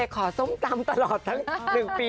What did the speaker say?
ขอส้มตำตลอด๑ปีนึกค่ะ